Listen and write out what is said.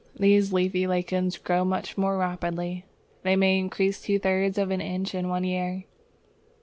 These leafy lichens grow much more rapidly. They may increase two thirds of an inch in one year.